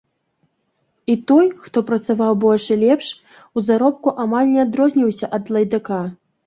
І той, хто працаваў больш і лепш, у заробку амаль не адрозніваўся ад лайдака.